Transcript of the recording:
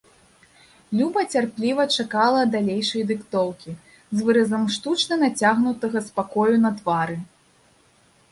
Люба цярпліва чакала далейшай дыктоўкі, з выразам штучна нацягнутага спакою на твары.